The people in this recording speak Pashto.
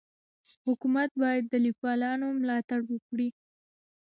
حکومت باید د لیکوالانو ملاتړ وکړي.